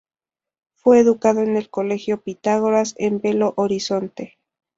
Fue educado en el Colegio Pitágoras, en Belo Horizonte.